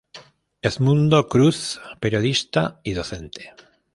Edmundo Cruz, periodista y docente.